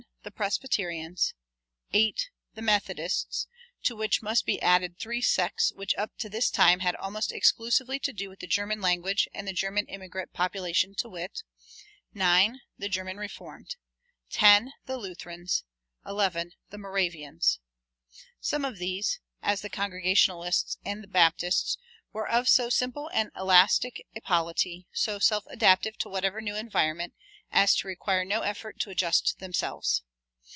The Presbyterians; 8. The Methodists; to which must be added three sects which up to this time had almost exclusively to do with the German language and the German immigrant population, to wit, 9. The German Reformed; 10. The Lutherans; 11. The Moravians. Some of these, as the Congregationalists and the Baptists, were of so simple and elastic a polity, so self adaptive to whatever new environment, as to require no effort to adjust themselves.